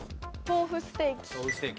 豆腐ステーキ。